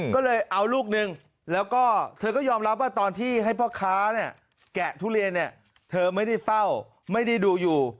ก็เลยเอาลูกหนึ่งแล้วก็เธอก็ยอมรับว่าตอนที่ให้พ่อค้าเนี่ยแกะทุเรียนเนี่ยเธอไม่ได้เฝ้าไม่ได้ดูอยู่